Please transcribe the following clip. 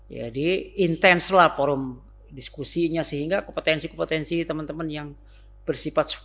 jadi intens lah forum diskusinya sehingga kompetensi kompetensi teman teman yang bersifat